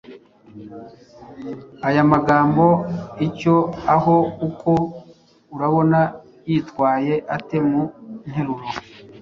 Aya magambo: icyô, ahô, ukô urabona yitwaye ate mu nteruro?